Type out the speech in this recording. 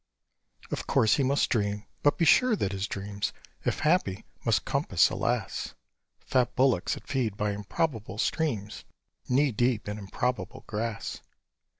Of course he must dream; but be sure that his dreams, If happy, must compass, alas! Fat bullocks at feed by improbable streams, Knee deep in improbable grass.